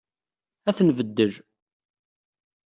Ad t-nbeddel.